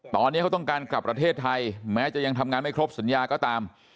ตอนนี้เขาต้องการกลับประเทศไทยแม้จะยังทำงานไม่ครบสัญญาก็ตาม